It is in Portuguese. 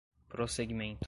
prosseguimento